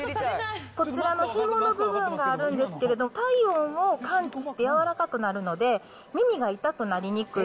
こちらのひもの部分があるんですけど、体温を感知して柔らかくなるので、耳が痛くなりにくい。